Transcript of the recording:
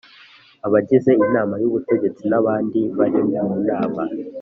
Abagize Inama y Ubutegetsi n abandi bari mu nama